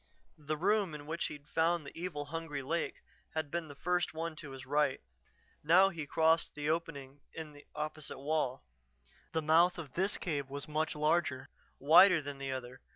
The room in which he'd found the evil, hungry lake had been the first one to the right. Now he crossed to the opening in the opposite wall. The mouth of this cave was much larger, wider than the other.